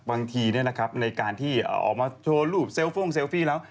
บางทีในการที่ออกมาโทรภูมิตัวแซลฟี่แล้ว